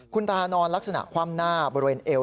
คุณตานอนลักษณะคว่ำหน้าบริเวณเอว